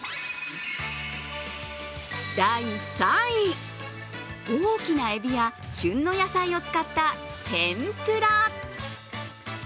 第３位、大きなえびや旬の野菜を使った天ぷら。